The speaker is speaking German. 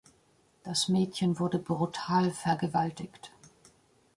Das Mädchen wurde brutal vergewaltigt.